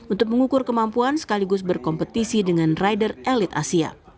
untuk mengukur kemampuan sekaligus berkompetisi dengan rider elit asia